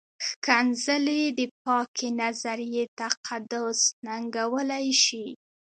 ښکنځلې د پاکې نظریې تقدس ننګولی شي.